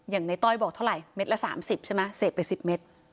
อย่างในต้อยบอกเท่าไหร่เม็ดละ๓๐ใช่ไหมเสพไป๑๐เมตร